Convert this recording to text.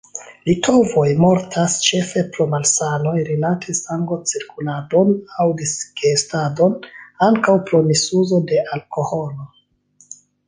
Litovoj mortas ĉefe pro malsanoj rilate sangocirkuladon aŭ digestadon; ankaŭ pro misuzo de alkoholo.